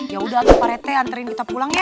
ya udah angkot pak rt anterin kita pulang ya